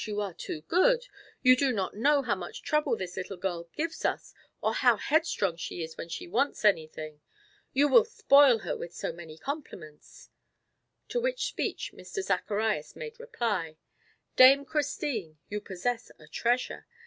You are too good. You do not know how much trouble this little girl gives us, or how headstrong she is when she wants anything. You will spoil her with so many compliments." To which speech Mr. Zacharias made reply: "Dame Christine, you possess a treasure!